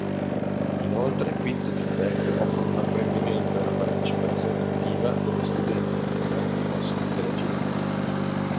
Inoltre, quiz e feedback offrono un apprendimento e una partecipazione attiva dove studenti e insegnanti possono interagire.